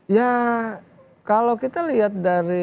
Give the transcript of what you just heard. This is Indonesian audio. ya kalau kita lihat dari